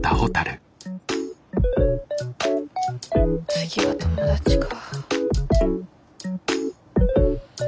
次は友達か。